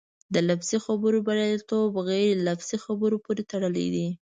د لفظي خبرو بریالیتوب غیر لفظي خبرو پورې تړلی دی.